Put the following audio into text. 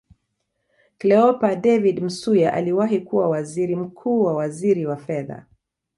Cleopa David Msuya aliwahi kuwa Waziri mkuu na waziri wa Fedha